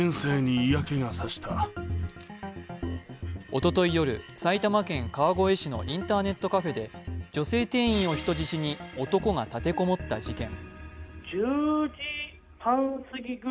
おととい夜、埼玉県川越市のインターネットカフェで女性店員を人質に男が立て籠もった事件。